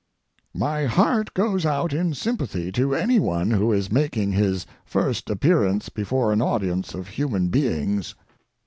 My heart goes out in sympathy to any one who is making his first appearance before an audience of human beings.